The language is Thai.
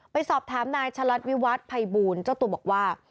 ไปสอบถามนายชะลัดวิวัฒน์ภัยบูลเจ้าตัวบอกว่า